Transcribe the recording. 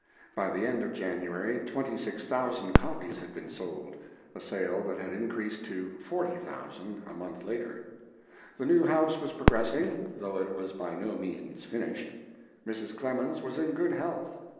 By the end of January 26,000 copies had been sold, a sale that had increased to 40,000 a month later. The new house was progressing, though it was by no means finished. Mrs. Clemens was in good health.